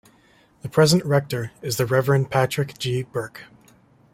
The present rector is the Reverend Patrick G. Burke.